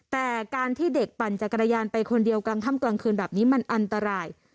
แต่การที่เด็กปั่นจักรยานไปคนเดียวกลางค่ำกลางคืนแบบนี้มันอันตราย